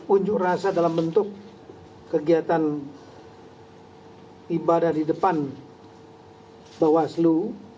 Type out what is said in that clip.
unjuk rasa dalam bentuk kegiatan ibadah di depan bawaslu